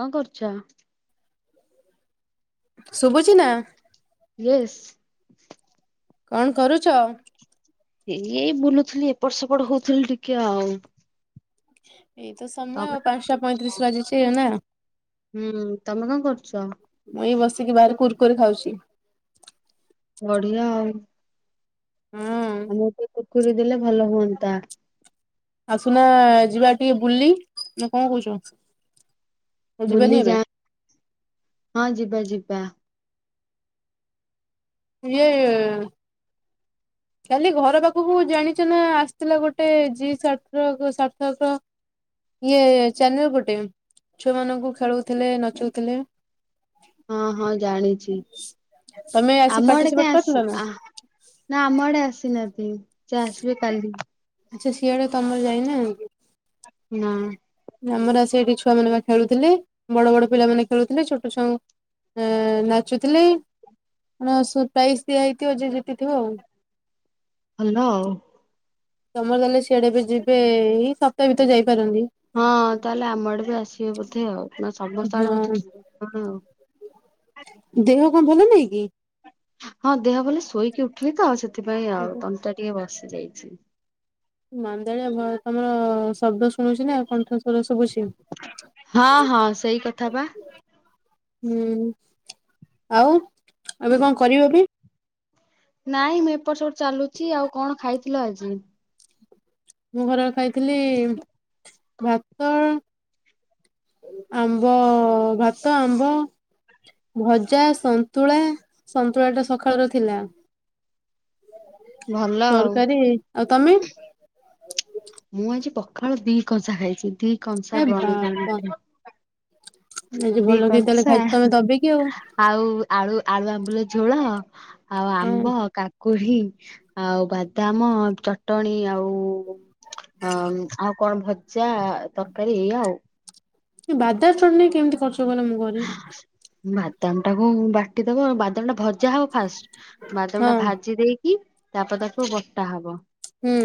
କଣ କରୁଛ? ଶୁଭୁଛି ନା। ୟସ୍ କଣ କରୁଛ? ଏଇ ବୁନୁଥିଲି ଏପଟ ସେପଟ ହଉଥିଲି ଟିକେ ଆଉ। ଏଇତ ସମୟ ଆଉ ତମେ ପାଞ୍ଚଟା ପଇଁତିରିଶ ବାଜିଛି ନା। ହୁଁ ତମେ କଣ କରୁଛ? ମୁଁ ଏଇ ବସିକି ବାହାରେ କୁରକୁରି ଖାଉଛି। ବଢିଆ ଆଉ। ହୁଁ ଆମୁକୁ ଟିକେ କୁରକୁରି ଦେଲେ ଭଲ ହୁଅନ୍ତା। ଆସୁନା ଯିବା ଟିକେ ବୁଲି ନା କଣ କହୁଛ? ଯିବାନି ବୁଲି ଏବେ? ଯା ହଁ ଯିବା ଯିବା। ଯେ କାଲି ଘର ପାଖକୁ ଜାଣିଛ ନା ଆସିଥିଲା ଗୋଟେ ଜି ସାର୍ଥ ସାର୍ଥକ ଇଏ ଚ୍ୟାନେଲ ଗୋଟେ ଛୁଆ ମାନଙ୍କୁ ଖେଳଉଥିଲେ ନଚଉଥିଲେ ହଁ ହଁ ଜାଣିଛି ତମେ ଆସି ଆମ ଆଡେ ପାର୍ଟିସିପେଟ କାଇଁ କରିଥିଲ ଆସି ନା? ଆ ନା ଆମ ଆଡେ ଆସିନାହାନ୍ତି ସେ ଆସିବେ କାଲି। ଆଚ୍ଛା ସିଆଡେ ତମର ଯାଇନା ନା। ଆମର ଆସି ଏଠି ଛୁଆମାନେ ବା ଖେଳୁଥିଲେ ବଡ ବଡ ପିଲାମାନେ ଖେଳୁଥିଲେ ଛୋଟ ଛୁଆଙ୍କ ଏଁ ନାଚୁଥିଲେ ମ ପ୍ରାଇଜ ଦିଆ ହେଇଥିବ ଯିଏ ଜିତିଥିବ ଆଉ। ଭଲ ଆଉ। ତମର ତାହେଲେ ସିଆଡେ ବି ଯିବେ ଏଇ ସପ୍ତାହ ଭିତରେ ଯାଇପାରନ୍ତି ହଁ ତାହେଲେ ଆମ ଆଡେ ବି ଆସିବେ ବୋଧେ ଆଉ ନା ସମସ୍ତ ଆଡେ ବୋଧେ ହଁ ଯିବେ କଣ ଆଉ। ଦେହ କଣ ଭଲ ନାଇଁ କି? ହଁ ଦେହ ଭଲ ନାହିଁ ଶୋଇକି ଉଠିଲି ତ ଆଉ ସେଥିପାଇଁ ଆଉ ଓହୋ ତଣ୍ଟିଟା ଟିକେ ବସି ଯାଇଛି। ମାନ୍ଦାଳିଆ ଭ ତମର ଶବ୍ଦ ଶୁଣୁଚି ନା କଣ୍ଠସ୍ଵର ଶୁଭୁଚି ହଁ ହଁ ସେଇ କଥା ବା। ହୁଁ ଆଉ ଏବେ କଣ କରିବ ବି? ନାଇଁ ମୁଁ ଏପଟ ସେପଟ ଚାଲୁଛି ଆଉ କଣ ଖାଇଥିଲ ଆଜି? ମୁଁ ଖରାବେଳେ ଖାଇଥିଲି ଭାତ ଆମ୍ବ, ଭାତ, ଆମ୍ବ ଭଜା, ସନ୍ତୁଳା ସନ୍ତୁଳା ଟା ସଖାଳର ଥିଲା। ଭଲ ଆଉ ତରକାରୀ ଆଉ ତମେ? ମୁଁ ଆଜି ପଖାଳ ଦି କଂସା ଖାଇଛି ଦି କଂସା ହେ ଗଣି ଗଣି ବାପ କି। ଆଜି ଦି ଭଲ କି ତାହେଲେ କଂସା ଖାଇଛ ତମେ ଦବେଇକି ଆଉ। ଆଉ ଆଳୁ ଆଳୁ ଆମ୍ବୁଲ ଝୋଳ ଆଉ ହଁ। ଆମ୍ବ କା କୁଢି ଆଉ ବାଦାମ ଚଟଣି ଆଉ ଅ ଆଉ କଣ ଭଜା ତରକାରୀ ଏଇଆ ଆଉ। ବାଦାମ ଚଟଣି କେମତି କରୁଚ କହିଲ ମୁଁ କରି ବାଦାମ ଟାକୁ ବାଟିଦବ ବାଦାମ ଟା ଭ ଜା ହବ ଫାଷ୍ଟ ବାଦମଟା ହଁ ଭାଜି ଦେଇକି ତାପରେ ତାକୁ ବଟା ହବ। ହୁଁ।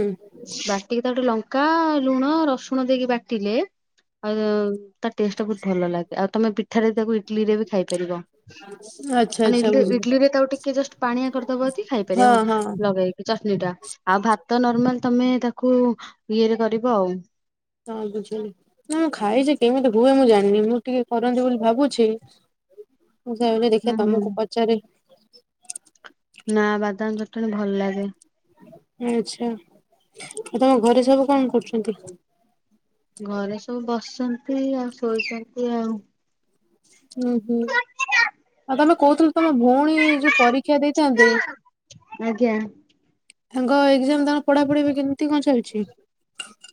ବାଟିକି ତା ଟିକେ ଲଙ୍କା, ଲୁଣ, ରସୁଣ ଦେଇକି ବାଟିଲେ ଆଉ ତା ଟେଷ୍ଟ ଟା ବହୁତ ଭଲ ଲାଗେ ଆଉ ତମେ ପିଠାରେ ତାକୁ ଇଟଲିି ରେ ବି ଖାଇପାରିବ। ଆଚ୍ଛା ମାନେ ଆଚ୍ଛା ଇଡଲି ବୁଝିଲି। ଇଡଲିରେ ତାଉ ଟିକେ ଜଷ୍ଟ ପାଣିଆ କରିଦବ ଯଦି ଖାଇପାରିବ ହଁ ହଁ ଲଗେଇକି। ଚଟଣି ଟା ଆଉ ଭାତ ନର୍ମାଲ ତମେ ତାକୁ ଇଏରେ କରିବ ଆଉ। ହଁ ବୁଝିଗଲି ମୁଁ ଖାଇଚି କେମିତି ହୁଏ ମୁଁ ଜାଣିନି ମୁଁ ଟିକେ କରନ୍ତି ବୋଲି ଭାବୁଛି। ମୁଁ ସେଇଆ କହିଲି ହୁଁ। ଦେଖିଆ ହୁଁ ତମକୁ ପଚାରେ। ନା ବାଦାମ ଚଟଣି ଭଲ ଲାଗେ। ଆଚ୍ଛା ଆଉ ତମ ଘରେ ସବୁ କଣ କରୁଛନ୍ତି? ଘରେ ସବୁ ବସିଛନ୍ତି ଆଉ ଶୋଇଛନ୍ତି ଆଉ। ଉୁଁ ହୁଁ ଆଉ ତମେ କହୁଥିଲ ତମ ଭଉଣୀ ଯୋଉ ପରୀକ୍ଷା ଦେଇଥାନ୍ତେ ଆଜ୍ଞା ତାଙ୍କ ଏକ୍ଜାମ ତାଙ୍କ ପଢାପଢି ଏବେ କେମିତି କଣ ଚାଲିଚି?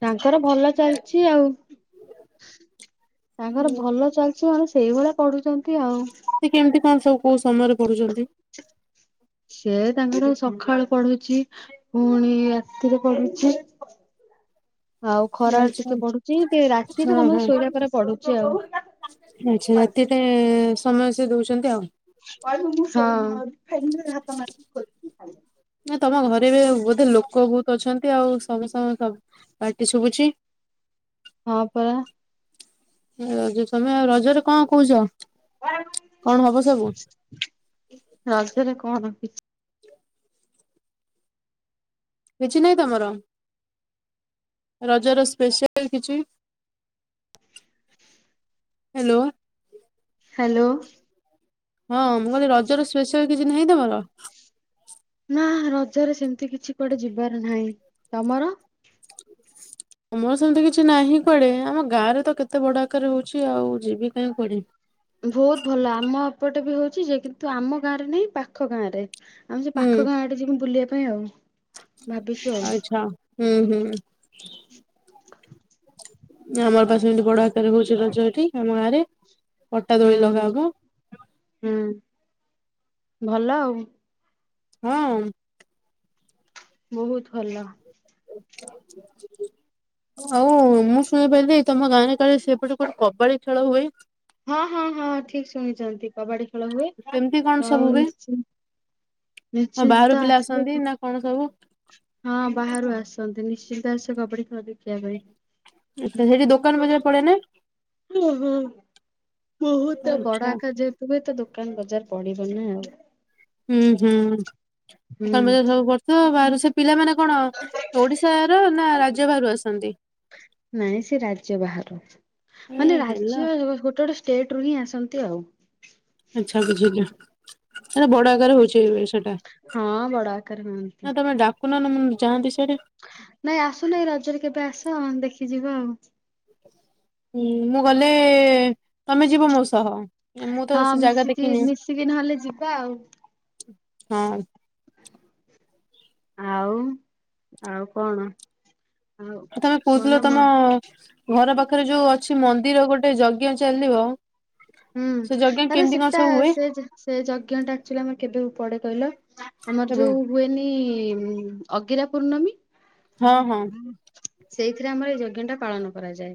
ତାଙ୍କର ଭଲ ଚାଲିଚି ଆଉ। ତାଙ୍କର ଭଲ ଚାଲିଛି ମାନେ ସେଇଭଳିଆ ପଢୁଚନ୍ତି ଆଉ। ସେ କେମିତି କଣ ସବୁ କୋଉ ସମୟରେ ପଢୁଛନ୍ତି? ସେ ତାଙ୍କର ସକାଳ ପଢୁଚି ପୁଣି ରାତିରେ ପଢୁଚି ଆଉ ଖରାଳେ ଆଚ୍ଛା ଟିକେ ପଢୁଚି ଟିକେ ରାତିରେ ହଁ ହଁ ସମସ୍ତେ ଶୋଇଲା ପରେ ପଢୁଚି ଆଉ। ଆଚ୍ଛା ରାତିଟା ସମୟ ସେ ଦୋଉଛନ୍ତି ଆଉ। ହଁ। ନା ତମ ଘରେ ବି ବୋଧେ ଲୋକ ବହୁତ ଅଛନ୍ତି ଆଉ ସବୁ ସାଙ୍ଗେ ପାଟି ଶୁଭୁଛି? ହଁ ପରା। ରଜ ତମେ ଆଉ ରଜରେ କଣ କହୁଛ କଣ ହବ ସବୁ? ରଜରେ କଣ କିଛି କିଛି ନାହିଁ ତମର? ରଜରେ ସ୍ପେଶାଲ କିଛି ହ୍ୟାଲୋ। ହ୍ୟାଲୋ। ହଁ ମୁଁ କହିଲି ରଜରେ ସ୍ପେଶାଲ କିଛି ନାହିଁ ତମର? ହୁଁ ରଜରେ ସେମିତି କିଛି କୁଆଡେ ଯିବାର ନାହିଁ। ତମର? ଆମର ସେମିତି କିଛି ନାହିଁ କୁଆଡେ ଆମ ଗାଁ ରେ ତ କେତେ ବଢିଆ ଆକାରରେ ହୋଉଛି ଆଉ ଯିବି କାଇଁ କୁଆଡେ। ବହୁତ ଭଲ ହୋଉଛି ଯେ କିନ୍ତୁ ଆମ ଗାଁ ରେ ନାହିଁ ପାଖ ଗାଁ ରେ। ଆମେ ସେ ହୁଁ ପାଖ ଗାଁ ଆଡେ ଯିବୁ ବୁଲିବା ପାଇଁ ଆଉ। ଭାବିଛୁ ଆଉ ଆଚ୍ଛା ହୁଁ ହୁଁ। ଆମର ପା ଏମିତି ବଡ଼ ଆକାରରେ ହୋଉଛି ରଜ ଏଠି ଆମ ଗାଁରେ ପଟା ଦୋଳି ହୁଁ। ଲଗା ହବ। ହୁଁ ଭଲ ଆଉ। ହଁ। ବହୁତ ଭଲ। ହ ଆଉ ମୁଁ ଶୁଣିପାରିଲି ତମ ଗାଁରେ କାଳେ ସେପଟେ କୁଆଡେ କବାଡି ଖେଳ ହୁଏ? ହଁ ହଁ ହଁ ଠିକ୍ ଶୁଣିଛନ୍ତି କବାଡି ଖେଳ ହୁଏ କେମିତି କଣ ଆଉ ସବୁ ହୁଏ? ହଁ ନିଶ୍ଚି-ନିଶ୍ଚିନ୍ତ ବାହାରୁ ତ ପିଲା ଆସିବେ ଆସନ୍ତି କା ନା କଣ ସବୁ ହଁ ବାହାରୁ ଆସନ୍ତି ନିଶ୍ଚିନ୍ତ ଆସିବେ କବାଡି ଖେଳ ଦେଖିବା ପାଇଁ। ଆ ସେଠି ଦୋକାନ ବଜାର ପଡେ ନା? ଉଁ ହୁଁ ବହୁତ ବଡ଼ ଆଚ୍ଛା ଆକାର ରେ ଯେ ତୁ ବହୁତ ଦୋକାନ ବଜାର ପଡିବ ନା। ହୁଁ ହୁଁ ହୁଁ ଦୋକାନ ବଜାର ସବୁ କରୁଚୁ ବା ସେ ପିଲା ମାନେ କଣ ଓଡିଶାର ନା ରାଜ୍ୟ ବାହାରୁ ଆସନ୍ତି? ନାଇଁ ସେ ରାଜ୍ୟ ବାହାରାରୁ ଏ ମାନେ ହେଲା ରାଜ୍ୟ ଗୋଟେ ଗୋଟେ ସେ ଷ୍ଟେଟ ରୁ ହିଁ ଆସନ୍ତି ଆଉ। ଆଚ୍ଛା ବୁଝିଲି ନା ବଡ଼ ଆକାର ରେ ହୋଉଛି ସେ ହଁ ବଡ ଆକାର ହୁଅନ୍ତି ନା ତମେ ଡାକୁନ ନା ମୁଁ ଯାନ୍ତି ସିଆଡେ। ନାଇଁ ଆସୁନ ରଜରେ କେବେ ଆସ ଦେଖି ଯିବା ଆଉ। ଉଁ ମୁଁ ଗଲେ ତମେ ଯିବ ମୋ ସହ। ମୁଁ ତ ହଁ ସେ ଜାଗା ମିଶିକି ଦେଖିନି ମିଶିକି ନହେଲେ ଯିବା ଆଉ। ହଁ। ଆଉ ଆଉ କଣ ଆଉ ତମେ କଣ କହୁଥିଲ ମ ତମ ଘର ପାଖରେ ଯୋଉ ଅଛି ମନ୍ଦିର ଗୋଟେ ଯଜ୍ଞ ଚାଲିବ ହୁଁ ସେ ଯଜ୍ଞ ଆରେ କେମିତି କଣ ସେଟା ସବୁ ହୁଏ ସେ ଯାହା ସେ ଯଜ୍ଞ ଟା ଆକ୍ଚଲି ଆମର କେବେକୁ ପଡେ କହିଲ, ଆମର କେବେ? ଯୋଉ ହୁଏନି ଅଗିରା ପୂର୍ଣ୍ଣମୀ। ହଁ ହଁ ସେଇଥିରେ ଆମର ଏଇ ଯଜ୍ଞ ଟା ପାଳନ କରାଯାଏ।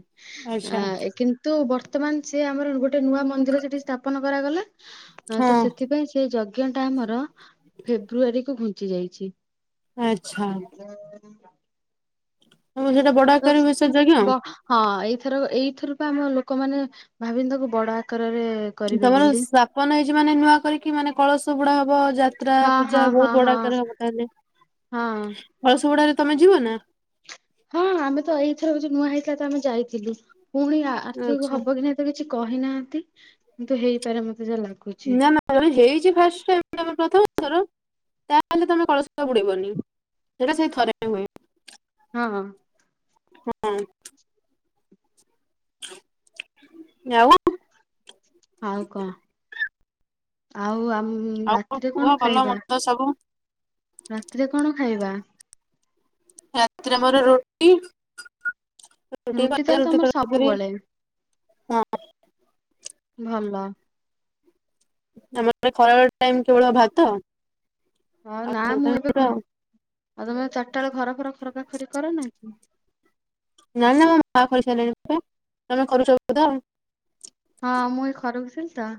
ଆଚ୍ଛା ଆ, ଏ କିନ୍ ତୁ ବର୍ତ୍ତମାନ ସେ ଆମର ଗୋଟେ ନୂଆ ମନ୍ଦିର ସେଠି ସ୍ଥାପନ କରାଗଲା। ଅଁ, ହଁ ତ ସେଥିପାଇଁ ସେ ଯଜ୍ଞ ଟା ଆମର ଫେବୃଆାରୀ କୁ ଘୁଞ୍ଚି ଯାଇଛି। ଆଚ୍ଛା। [inaudible] ତୋମ ସେଟା ବଡ ତ ଆକାରରେ ବି ସେଟା ସେ ଯଜ୍ଞ। ବ ହଁ ଏଇଥରକ ଏଇଥର ପା ଆମ ଲୋକମାନେ ଭାବିନ ତାକୁ ବଡ ଆ କାରରେ କ ତୋମର ସ୍ଥାପନ ହେଇଛି ମାନେ ନୂଆ କରିକି, ମାନେ କଳସ ବୁଡା ହବ, ଯାତ୍ରା ହଁ ହଁ ପୂଜା ହଁ ବହୁତ ହଁ ବଡ ଆକାରେ ହବ। ତାହାଲେ ହଁ। କଳସ ବୁଡାରେ ତୋମେ ଯିବ ନା? ହଁ ଆମେ ତ ଏଇଥରକ ଯୋଉ ନୂଆ ହେଇଥିଲା, ତ ଆମେ ଯାଇଥିଲୁ। ପୁଣି ଆ, ଆରଥିକୁ ଆଚ୍ଛା ହବ କି ନାହିଁ ତ କିଛି କହିନାହାନ୍ତି। କିନ୍ତୁ ହେଇପାରେ ମୋତେ ଯାହା ଲାଗ ନା ନା [inaudible] ହେଇଚି ଫାଷ୍ଟ ଟାଇମ୍ ମାନେ ତୋମର ପ୍ରଥମ ଥର, ତାହେଲେ ତୋମେ କଳସ ବୁଡେଇବନି। ସେଇଟା ସେଇ ଥରେ ହୁଏ। ହଁ, ହଁ। ହଁ, ଆଉ ଆଉ କହ। ଆଉ ଆମ ରାତିରେ କଣ ଖାଇବା? ତ ସବୁ ରାତିରେ କଣ ଖାଇବା? ରାତିରେ ମୋର ରୁଟି ରୁଟି ଭଜା, ତାହେଲେ ରୁଟି ତମର ତରକାରୀ ସବୁବେଳେ ହଁ। ଭଲ। ଆମର ଖାଲି ଖରାବେଳ ଟାଇମ୍ କେବଳ ଭାତ। ନା ଆଉ ସବୁ ମୁଁ ଟାଇମ୍ ଏବେ ରୁଟି ତ ଘ ଆଉ। ଆଉ ତୋମେ ଚାରିଟା ବେଳେ ଘର ଫର ଖରକାଖରି କର ନାହିଁକି? ନା ନା ମୋ ମା ଖରିକିସାରିଲେଣି ପରା। ତୋମେ କରୁଛ ତ ବୋଧେ ଆଉ? ହଁ ମୁଁ ଏ ଖରକୁଥିଲି ତ।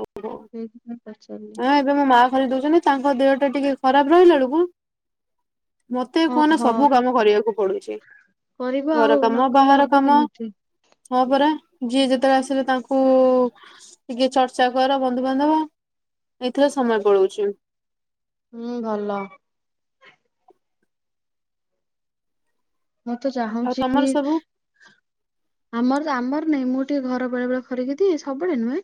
ଓହୋ! ସେଇଥିପାଇଁ ପଚାରିଲି। ଆ ଏବେ ମୋ ମା ଖରିକି ଦଉଛନ୍ତି। ତାଙ୍କ ଦେହଟା ଟିକେ ଖରାପ ରହିଲା ବେଳକୁ ମୋତେ କୁହନା ଓହୋ ସବୁ କାମ କରିବାକୁ ପଡୁଛି। କରିବ ଆଉ ନ ଘରକାମ, କଲେ ହବ ବାହାରକାମ କେମିତି? ହଁ ପରା ଯିଏ ଯେତେବେଳେ ଆସିଲେ ତାଙ୍କୁ ଟିକେ ଚର୍ ର୍ଚ୍ଚା କର ବନ୍ଧୁବାନ୍ଧବ, ଏଇଥିରେ ସମୟ ପଳଉଚୁ। ହୁଁ, ଭଲ। ମୁଁ ତ ଆଉ ଚାହୁଁଛି ତମର ଭି ସବୁ ଆମର ତ ଆମର ନାଇଁ, ମୁଁ ଟିକେ ଘର ବେଳେ ବେଳେ ଖରିକି ଦିଏ ସବୁବେଳେ ନୁହେଁ।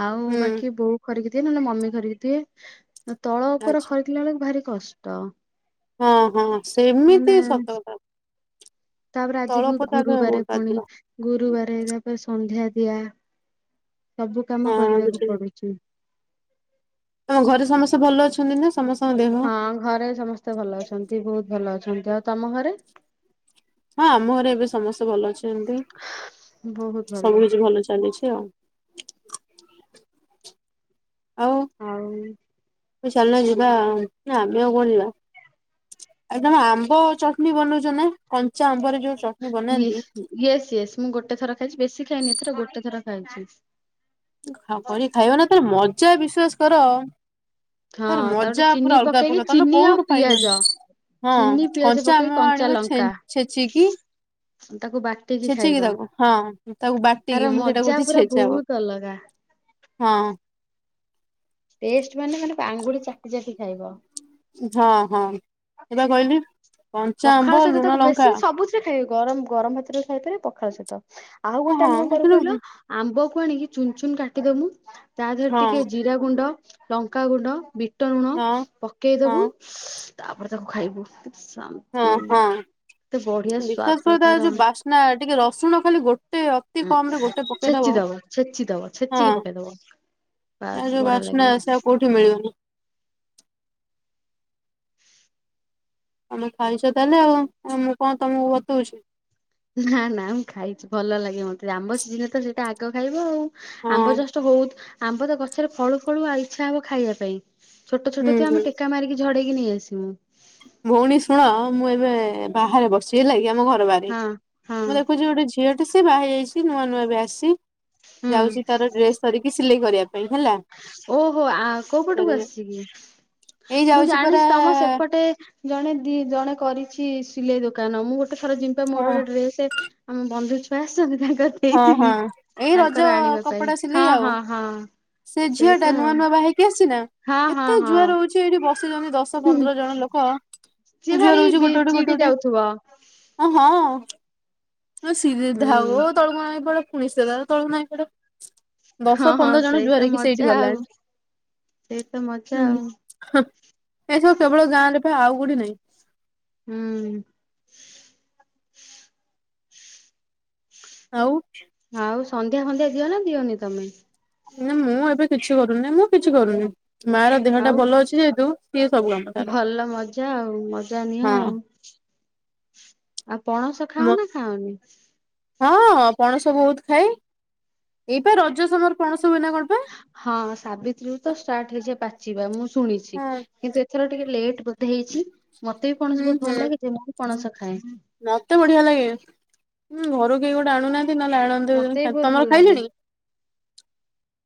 ଆଉ ହୁଁ ବାକି ବୋଉ ଖରିକି ଦିଏ। ନଲେ ମମି ଖରିକି ଦିଏ। ନ ତଳ ଉପର ଆଚ୍ଛା ଖରିକିଲାବେଳକୁ ଭାରି କଷ୍ଟ। ହଁ, ହଁ। ସେମିତି ମାନେ ସତକଥା, ତଳପଟାରେ ଗୋଟା ଦିନ। ଗୁରୁବାର, ତାପରେ ସନ୍ଧ୍ୟା ଦିଆ ସବୁ କାମ ହଁ କରିବାକୁ ପଡୁଚି। ତୋମ ଘରେ ସମସ୍ତେ ଭଲ ଅଛନ୍ତି ନା? ସମସ ହଁ ଘରେ ସମସ୍ତେ ଭଲ ଅଛନ୍ତି, ବହୁତ ଭଲ ଅଛନ୍ତି। ଆଉ ତୋମ ଘରେ? ହଁ ଆମ ଘରେ ଏବେ ସମସ୍ତେ ଭଲ ଅଛନ୍ତି, ସବୁ କିଛି ଭଲ ଚାଲିଛି ଆଉ। ଆଉ ଆଉ ଚାଲୁନ ଯିବା ନା ଆମେ ଆଉ କୁଆଡେ ଯିବା। ଆଉ ତମେ ଆମ୍ବ ଚଟନୀ ବନଉଛ ନା କଞ୍ଚା ଆମ୍ବରେ ଯୋଉ? ଚଟଣି ବନାନ୍ତି ୟେସ ୟେସ ୟେସ ମୁଁ ଗୋଟେ ଥର ଖାଇଛି ବେଶୀ ଖାଇନି ଏଥର ଗୋଟେ ଥର ଖାଇଛି। ହଁ କରିକି ଖାଇବ ନା ତାର ମଜା ବିଶ୍ବାସ କର। ହଁ ତାର ତା ଗୋଟେ ମଜା ଚିନି ପୁରା ଅଲଗା ପକେଇକି ପ୍ରକାର ତମେ ଚିନି ଆଉ କୋଉଠୁ ପାଇବନି। ପିଆଜ ହଁ ଚିନି ପିଆଜ ପକେଇ କଞ୍ଚାଆମ କଞ୍ଚା ଆଣିବ ଲଙ୍କା ଛେ-ଛେଚିକି। ତାକୁ ବା ଛେଚିକି ତାକୁ ହଁ ତାକୁ ବାଟିକି ତାର ମୁଁ ସେଇଟା ମଜା କହୁଛି ପୁରା ଛେଚା ହବ୍। ବହୁତ ଅଲଗା ହଁ। ଟେଷ୍ଟ ମାନେ ମାନେ ପା ଆଙ୍ଗୁଠି ଚାଟି ଚାଟି ଖାଇବ। ହଁ ହଁ ଏବା କହିଲି। କଞ୍ଚା ପଖାଳ ଆମ୍ବ ସହିତ ଲୁଣ ତାକୁ ଲଙ୍କା ବେଶୀ ସବୁ ଥିରେ ଖାଇଅ ଗରମ ଗରମ ଭାତରେ ଖାଇପାରିବ ପଖାଳ ସହିତ ଆଉ ହଁ ଗୋଟେ ଆମେ କଣ ହଁ କରୁ କିନ୍ତୁ କହିଲ। ହଁ ଆମ୍ବ କୁ ଆଣିକି ଚୁନ ଚୁନ କାଟିଦବୁ ତା ଦେରେ ଟିକେ ହଁ ଜିରା ଗୁଣ୍ଡ। ଲଙ୍କାଗୁଣ୍ଡ, ବିଟ ନୁଣ ହଁ ପକେଇଦବୁ। ତାପରେ ତାକୁ ଖାଇବୁ କେତେ ଶା ହଁ ହଁ। ବିଶ୍ବାସ କର ତାର ଯୋଉ ବାସ୍ନା ଟିକେ ରସୁଣ ଖାଲି ଗୋଟେ ଅତି କମ ରେ ଗୋଟେ ଛେଚି ପକେଇଦବ। ଦବ ଛେଚି ଦବ ଛେଚିକି ପକେଇଦବ। ଆଉ ବାସ୍ ଯୋଉ ବଢିଆ ବାସ୍ନା ଲାଗିବ। ସେ ଆଉ କୋଉଠି ମିଳିବନି। ତମେ ଖାଇଛ ତାହେଲେ ଆଉ ଉଁ ମୁଁ କଣ ତମକୁ ବତଉଛି। ନା ନା ମୁଁ ଖାଇଛି ଭଲ ଲାଗେ ମତେ ଆମ୍ୱ ସିଜିନରେ ତ ସେଇଟା ଆଗ ଖାଇବ ଆଉ। ହଁ ଆମ୍ବ ଜଷ୍ଟ ହଉ ଆମ୍ବ ତ ଗଛରେ ଫଳୁ ଫଳୁ ଆଉ ଇଚ୍ଛା ହବ ଖାଇବା ପାଇଁ। ଛୋଟ ହୁଁ ଛୋଟ ତ ହୁଁ। ଆମେ ଟେକା ମାରିକି ଝଡେଇକି ନେଇ ଆସିମୁ। ଭଉଣୀ ଶୁଣ ମୁଁ ଏବେ ବାହାରେ ବସିଛି ହେଲା କି ଆମ ଘର ବାହାରେ ହଁ ହଁ ମୁଁ ଦେଖୁଛି ଗୋଟେ ଝି ଝିଅ ଟେ ସେ ବାହା ହେଇ ଯାଇଚି ନୂଆ ନୂଆ ଏବେ ଆସିଚି ହୁଁ। ଯାଉଛି ତାର ଡ୍ରେସ୍। ଧରିକି ସିଲେଇ କରିବା ପାଇଁ ହେଲା। ଓହୋ ଆ କୋଉ ପଟକୁ ଆସିଛି କି? ଏଇ ମୁଁ ଯାଉଛି ପରା ଜାଣିଛି ତମ ସେପଟେ। ଜଣେ ଦି ଜଣେ କରିଛି ସିଲେଇ ଦୋକାନ ମୁଁ ଗୋଟେ ଥର ଜିମ ପା ମୋର ହଁ ଗୋଟେ ଡ୍ରେସେ। ଆମ ବନ୍ଧୁ ଛୁଆ ଆସିଛନ୍ତି ତାଙ୍କର ହଁ ହଁ ଦେଇଥିଲି। ଏଇ ତାଙ୍କର ରଜ ଆଣିବା ପାଇଁ କପଡା ସିଲେଇ ହଁ ଆଉ। ହଁ ହଁ ସେ ଝିଅ ସେଇତ ଟା ନୂଆ ନୂଆ ବାହା ହେଇକି ଆସିଚି ନା ଆଉ ହଁ କେତେ ହଁ ଜୁଆର ହଉ ଚି ଏଇଠି ବସିଛନ୍ତି ଦଶ ହଁ। ପନ୍ଦର ଜଣ ଲୋକ ସିଏ ଯୁହାର ଭାରି ହଉଚି ବି ଗୋଟେ ଗୋଟେ ଗୋଟେ ଚିଡି ଗୋଟେ। ଯାଉଥିବ ଅ ହଁ ହଁ ସିରିଏ ଧାଓ ହୁଁ ତଳକୁ ନଇ ପଡେ ପୁଣି ସିଏ ତାର ତଳକୁ ନଇ ପଡ଼େ। ହଁ ଦଶ ହଁ ପନ୍ଦର ଜଣ ସେଇ ତ ଯୁହାର ହେଇକିି ସେଇଠି ମଜା ଆଉ ଗଲାଣି ସେଇ ତ ମଜା ଆଉ ହୁଁ। ହଁ ଏସବୁ କେବଳ ଗାଁରେ ପା ଆଉ କଉଠି ନାହିଁ। ହୁଁ। ଆଉ। ଆଉ ସନ୍ଧ୍ୟା ଫନ୍ଧ୍ୟା ଦିଅ ନା ଦିଅନି ତମେ? ନା ମୁଁ ଏବେ କିଛି କରୁନି ମୁଁ କିଛି କରୁନି ମା ର ଦେହ ଟା ଆଉ ଭଲ ଅଛି ଯେହେତୁ ସିଏ ସବୁ କାମ ତାର ଭଲ ମଜା ଆଉ ମଜା ନିଅ ହଁ ଆଉ। ଆଉ ପଣସ ମ ଖାଅ ନା ଖାଅନି? ହଁ ପଣସ ବହୁତ ଖାଏ ଏଇ ପା ରଜ ସମୟରେ ପଣସ ହୁଏନା କଣ ପା? ହଁ ସାବିତ୍ରୀରୁ ତ ଷ୍ଟାର୍ଟ ହେଇଯାଏ ପାଚିବା ମୁଁ ଶୁଣିଛି ହଁ କିନ୍ତୁ ଏଥର ଟିକେ ଲେଟ ବ ବଧେ ହେଇଛି ମତେ ବି ପଣସ ହୁଁ ବହୁତ ହୁଁ ଭଲ ଲାଗେ ଯେ ମୁଁ ବି ପଣସ ଖାଏ ମତେ ବଢିଆ ଲାଗେଁ ଉଁ ଘରୁ କେହି ଗୋଟେ ଆଣୁନାହାନ୍ତି ନହେଲେ ଆଣନ୍ତି ମତେ [unintelligible] ବି ଖା ବହୁତ ଭଲ ତମର ଲାଗେ ଖାଇଲେଣି।